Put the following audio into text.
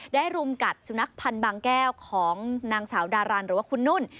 รุมกัดสุนัขพันธ์บางแก้วของนางสาวดารันหรือว่าคุณนุ่น